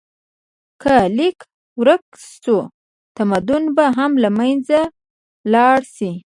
که لیک ورک شو، تمدن به هم له منځه لاړ شي.